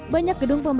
banyak gedung pemerintah